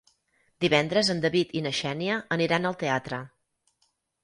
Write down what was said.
Divendres en David i na Xènia aniran al teatre.